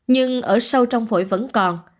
nhưng ở sâu trong phổi vẫn còn